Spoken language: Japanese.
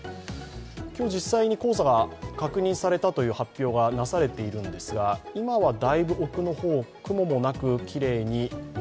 今日実際に黄砂が確認されたという発表がなされているんですが今はだいぶ沖の方、雲の様子も。